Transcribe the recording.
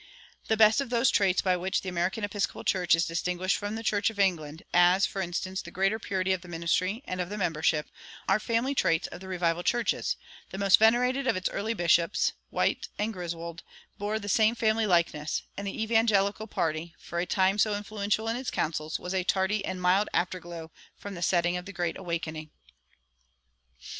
The best of those traits by which the American Episcopal Church is distinguished from the Church of England, as, for instance, the greater purity of the ministry and of the membership, are family traits of the revival churches; the most venerated of its early bishops, White and Griswold, bore the same family likeness; and the "Evangelical party," for a time so influential in its counsels, was a tardy and mild afterglow from the setting of the Great Awakening.